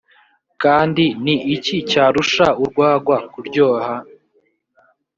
kandi ni iki cyarusha urwagwa kuryoha